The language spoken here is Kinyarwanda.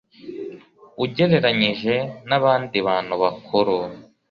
ugereranyije na bandi bantu bakuru